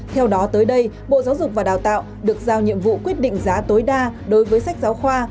theo đó tới đây bộ giáo dục và đào tạo được giao nhiệm vụ quyết định giá tối đa đối với sách giáo khoa